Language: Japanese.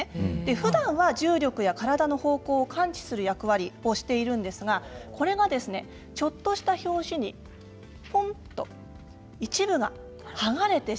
ふだんは重力や体の方向を感知する役割をしているんですがこれがですねちょっとした拍子にポンッと一部が剥がれてしまうんです。